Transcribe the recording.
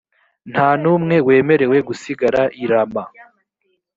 nta n umwe wemerewe gusigara i rama.